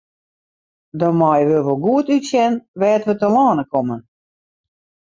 Dan meie we wol goed útsjen wêr't we telâne komme.